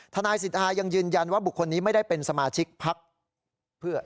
ทนายสิทธายังยืนยันว่าบุคคลนี้ไม่ได้เป็นสมาชิกพักเพื่อ